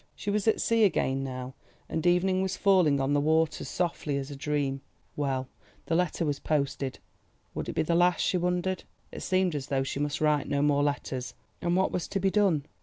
She was at sea again now, and evening was falling on the waters softly as a dream. Well, the letter was posted. Would it be the last, she wondered? It seemed as though she must write no more letters. And what was to be done?